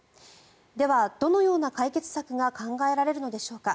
では、どのような解決策が考えられるのでしょうか。